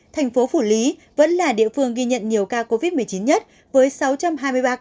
thành phố phủ lý vẫn là địa phương ghi nhận nhiều ca covid một mươi chín nhất với sáu trăm hai mươi ba ca